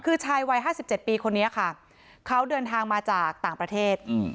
คือชายวัย๕๗ปีคนนี้ค่ะเขาเดินทางมาจากต่างประเทศ